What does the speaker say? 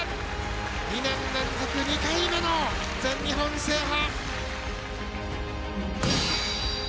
２年連続２回目の全日本制覇！